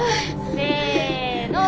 せの。